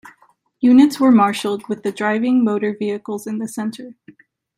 Units were marshalled with the driving motor vehicles in the centre.